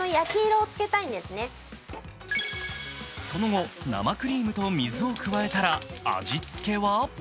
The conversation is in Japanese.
その後、生クリームと水を加えたら味付けは？